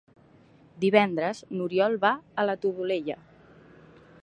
Divendres n'Oriol va a la Todolella.